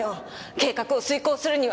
計画を遂行するには。